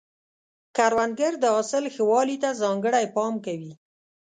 کروندګر د حاصل ښه والي ته ځانګړی پام کوي